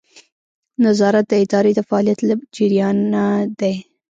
نظارت د ادارې د فعالیت له جریانه دی.